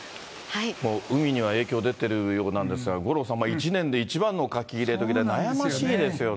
海には影響出ているようなんですが、五郎さん、１年で一番の書き入れ時で悩ましいですよね。